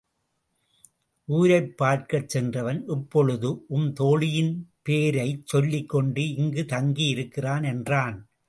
ஊரைப் பார்க்கச் சென்றவன் இப்பொழுது உம் தோழியின் பேர்ைச் சொல்லிக் கொண்டு இங்குத் தங்கி இருக்கிறான் என்றான்.